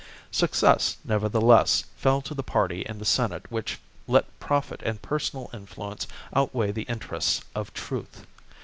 Success, nevertheless, fell to the party in the Senate which let profit and personal influence outweigh the interests of truth.